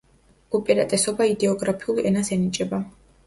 უპირატესობა იდეოგრაფიულ ენას ენიჭება.